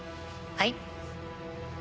はい。